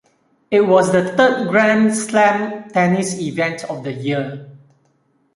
It was the third Grand Slam tennis event of the year.